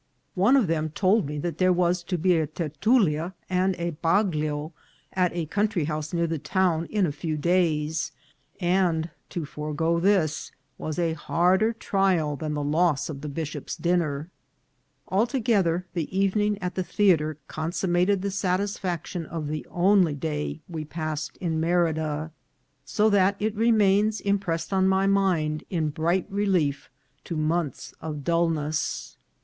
One of them told me that there was to be a tertulia and a bag lio at a country house near the town in a few days, and to forego this was a harder trial than the loss of the bishop's dinner. Altogether, the evening at the theatre consummated the satisfaction of the only day we passed in Merida, so that it remains impressed on my mind in bright relief to months of dulness.